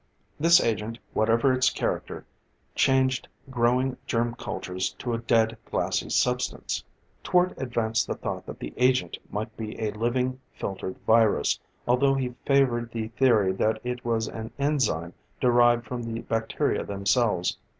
This agent, whatever its character, changed growing germ cultures to a dead, glassy substance. Twort advanced the thought that the agent might be a living, filtered virus, although he favored the theory that it was an enzyme derived from the bacteria themselves.